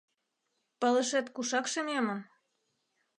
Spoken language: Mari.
- Пылышет кушак шемемын?